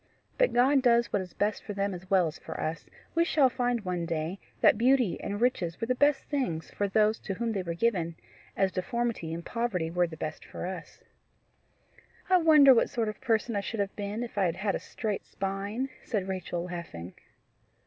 But God does what is best for them as well as for us. We shall find one day that beauty and riches were the best thing for those to whom they were given, as deformity and poverty were the best for us." "I wonder what sort of person I should have been if I had had a straight spine!" said Rachel laughing.